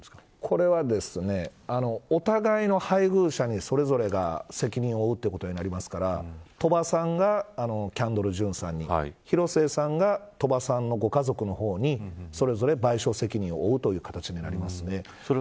これはお互いの配偶者にそれぞれが責任を負うということになりますから鳥羽さんがキャンドル・ジュンさんに広末さんが鳥羽さんのご家族の方にそれぞれ賠償責任を負うという形になります。